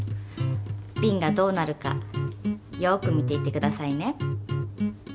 ビンがどうなるかよく見ていてくださいね。